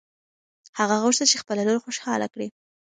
هغه غوښتل چې خپله لور خوشحاله کړي.